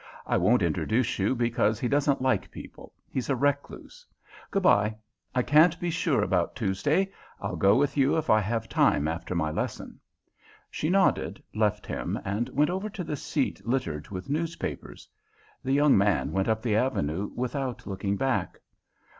"I won't introduce you, because he doesn't like people. He's a recluse. Good bye. I can't be sure about Tuesday. I'll go with you if I have time after my lesson." She nodded, left him, and went over to the seat littered with newspapers. The young man went up the Avenue without looking back.